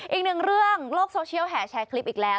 อีกหนึ่งเรื่องโลกโซเชียลแห่แชร์คลิปอีกแล้ว